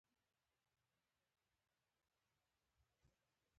ورو ورو مې احساس وکړ چې غونډۍ شنې شوې.